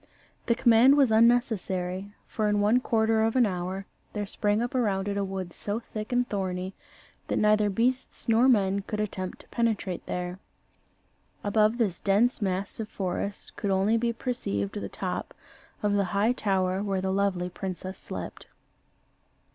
The command was unnecessary; for in one quarter of an hour there sprung up around it a wood so thick and thorny that neither beasts nor men could attempt to penetrate there. Above this dense mass of forest could only be perceived the top of the high tower where the lovely princess slept.